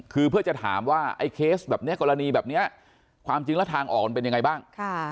คือเพื่อจะถามว่าไอ้เคสแบบนี้กรณีแบบนี้ความจริงแล้วทางออกมันเป็นยังไงบ้าง